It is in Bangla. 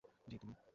জি, তুমি?